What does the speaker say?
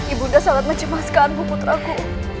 ibu undang sangat mencemaskanmu putraku